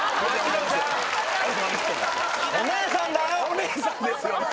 お姉さんですよね。